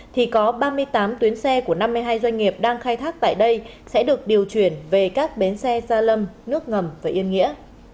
thì có ba mươi tám tuyến xe của năm mươi hai doanh nghiệp đang khai thác tại đây sẽ được điều chuyển về các bến xe gia lâm nước ngầm và yên nghĩa